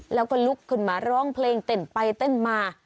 แล้วก็ลุกขึ้นมาร้องเพลงเต้นไปเต้นมา